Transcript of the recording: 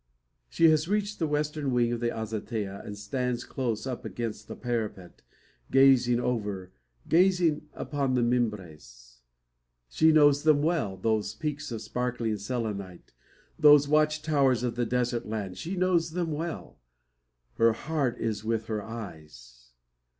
She has reached the western wing of the azotea, and stands close up against the parapet, gazing over gazing upon the Mimbres. She knows them well, those peaks of sparkling selenite, those watch towers of the desert land: she knows them well. Her heart is with her eyes.